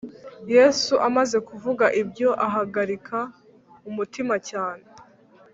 Yesu amaze kuvuga ibyo ahagarika umutima cyane